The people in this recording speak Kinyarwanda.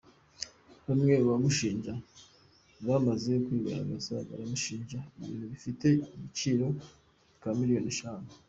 Bamwe mu bamushinja bamaze kwigaragaza, baramushinja ibintu bifite agaciro ka miliyoni eshanu.